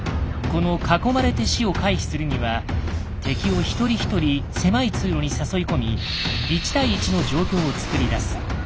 この「囲まれて死」を回避するには敵を一人一人狭い通路に誘い込み１対１の状況を作り出す。